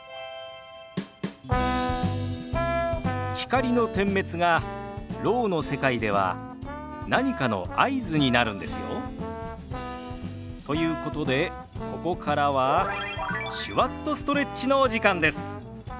光の点滅がろうの世界では何かの合図になるんですよ。ということでここからは「手話っとストレッチ」のお時間です。